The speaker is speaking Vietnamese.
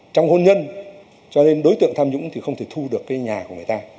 trong hôn nhân đối tượng tham nhũng không thể thu được nhà của người ta